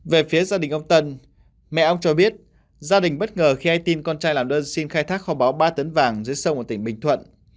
về phía gia đình ông tân mẹ ông cho biết gia đình bất ngờ khi ai tin con trai làm đơn xin khai thác kho báo ba tấn vàng dưới sông ở tỉnh bình thuận